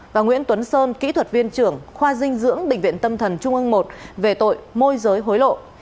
và nguyễn tuấn sơn kỹ thuật viên trưởng khoa dinh dưỡng bệnh viện tâm thần trung ương i về tội môi giới hối lộ